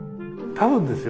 多分ですよ？